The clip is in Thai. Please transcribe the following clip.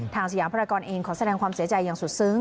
สยามภารกรเองขอแสดงความเสียใจอย่างสุดซึ้ง